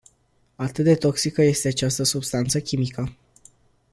Atât de toxică este această substanță chimică.